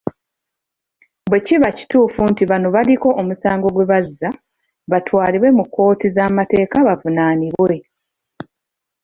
Bwe kiba kituufu nti bano baliko omusango gwe bazza, batwalibwe mu kkooti z'amateeka bavunaanibwe.